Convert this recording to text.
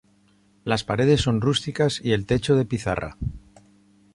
Las paredes son rústicas y el techo de pizarra.